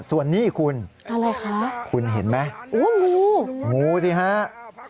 ส่วนนี่คุณคุณเห็นไหมโอ้โฮหมูหมูสิฮะอะไรคะ